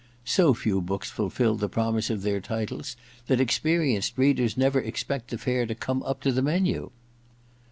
So few books fulfil the promise of their titles that experienced readers never expect the fare to come up to the menu.